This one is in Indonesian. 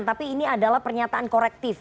tapi ini adalah pernyataan korektif